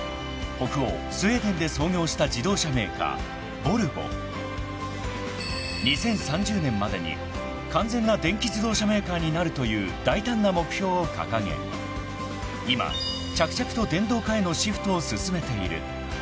北欧スウェーデンで創業した自動車メーカーボルボ］［２０３０年までに完全な電気自動車メーカーになるという大胆な目標を掲げ今着々と電動化へのシフトを進めている］